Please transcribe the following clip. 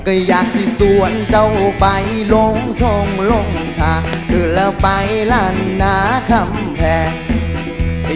ก็อยากสิสวนเจ้าไปลงท่องลงศากรึเหล่าไปลานนาครมแทน